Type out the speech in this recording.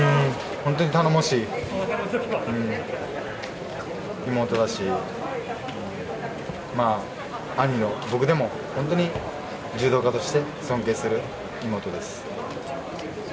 本当に頼もしい妹だし兄の僕でも本当に柔道家として尊敬する妹です。